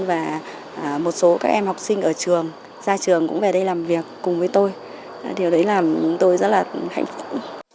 và một số các em học sinh ở trường ra trường cũng về đây làm việc cùng với tôi điều đấy làm tôi rất là hạnh phúc